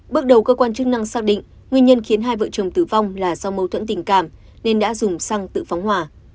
bước đầu cơ quan chức năng xác định nguyên nhân khiến hai vợ chồng tử vong là do mâu thuẫn tình cảm nên đã dùng xăng tự phóng hỏa